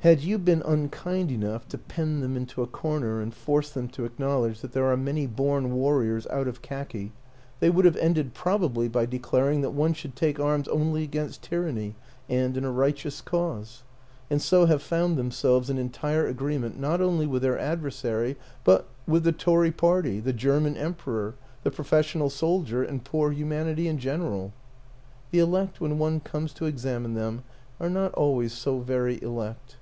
Had you been unkind enough to pen them into a corner and force them to acknowledge that there are many born warriors out of khaki, they would have ended probably by declaring that one should take arms only against tyranny and in a righteous cause and so have found themselves in entire agreement not only with their adversary but with the Tory Party, the German Emperor, the professional soldier and poor humanity in gen eral. The elect, when one comes to examine them, are not always so very elect.